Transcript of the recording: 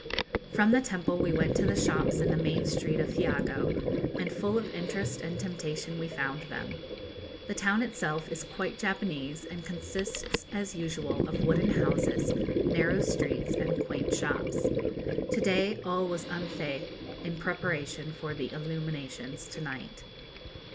From the temple we went to the shops in the main street of Hiogo, and full of interest and temptation we found them. The town itself is quite Japanese, and consists, as usual, of wooden houses, narrow streets, and quaint shops. To day all was en fête, in preparation for the illuminations to night.